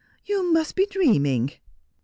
You must be dreaming !